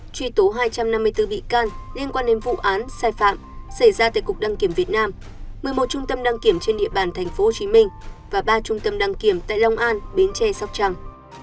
truy tố hai trăm năm mươi bốn bị can liên quan đến vụ án sai phạm xảy ra tại cục đăng kiểm việt nam một mươi một trung tâm đăng kiểm trên địa bàn tp hcm và ba trung tâm đăng kiểm tại long an bến tre sóc trăng